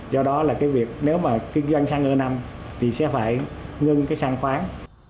do đó là cái việc nếu mà kinh doanh xăng e năm thì sẽ phải ngừng cái xăng khoáng